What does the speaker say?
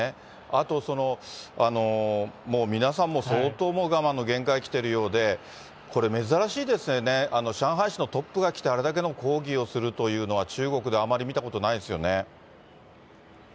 あと、もう皆さんも相当、我慢の限界来てるようで、これ、珍しいですよね、上海市のトップが来て、あれだけの抗議をするというのは、中国であまり見たことないですよね。